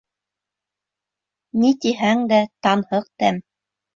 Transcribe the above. Ни тиһәң дә, танһыҡ тәм.